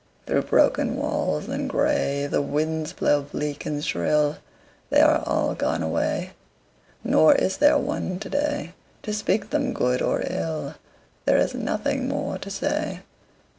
Through broken walls and gray The winds blow bleak and shrill: They are all gone away. Nor is there one today To speak them good or ill: There is nothing more to say.